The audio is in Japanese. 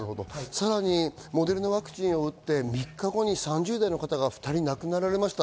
さらにモデルナワクチンを打って３日後に３０代の方が２人亡くなられました。